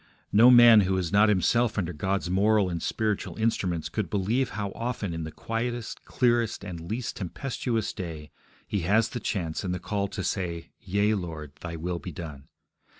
No man who is not himself under God's moral and spiritual instruments could believe how often in the quietest, clearest, and least tempestuous day he has the chance and the call to say, Yea, Lord, Thy will be done.